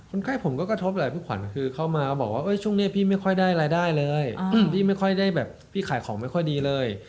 ไข้ผมก็กระทบแหละพี่ขวัญคือเข้ามาบอกว่าช่วงนี้พี่ไม่ค่อยได้รายได้เลยพี่ไม่ค่อยได้แบบพี่ขายของไม่ค่อยดีเลย